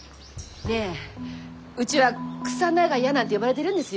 ねえうちはクサ長屋なんて呼ばれてるんですよ！